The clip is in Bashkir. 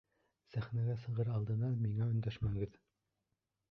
Сәхнәгә сығыр алдынан миңә өндәшмәгеҙ!